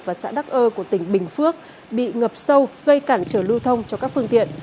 và xã đắc ơ của tỉnh bình phước bị ngập sâu gây cản trở lưu thông cho các phương tiện